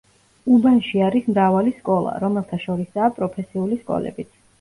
უბანში არის მრავალი სკოლა, რომელთა შორისაა პროფესიული სკოლებიც.